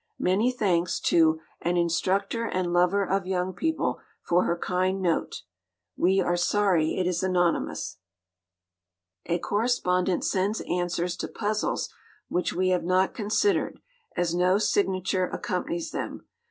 Many thanks to "an instructor and lover of young people" for her kind note. We are sorry it is anonymous. A correspondent sends answers to puzzles which we have not considered, as no signature accompanies them.